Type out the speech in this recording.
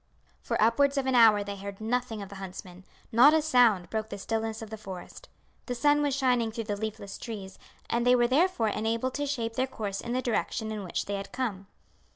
For upwards of an hour they heard nothing of the huntsmen. Not a sound broke the stillness of the forest; the sun was shining through the leafless trees, and they were therefore enabled to shape their course in the direction in which they had come.